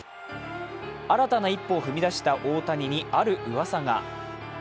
新たな一歩を踏み出した大谷にあるうわさが。